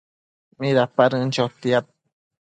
Midapadën chotiad